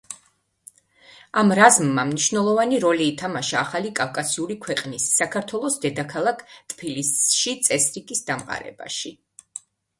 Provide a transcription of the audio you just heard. ამ რაზმმა მნიშვნელოვანი როლი ითამაშა ახალი კავკასიური ქვეყნის, საქართველოს დედაქალაქ ტფილისში წესრიგის დამყარებაში.